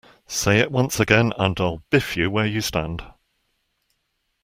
Say it once again, and I'll biff you where you stand.